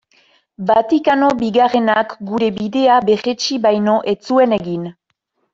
Vatikano Bigarrenak gure bidea berretsi baino ez zuen egin.